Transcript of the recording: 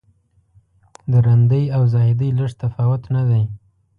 د رندۍ او زاهدۍ لږ تفاوت نه دی.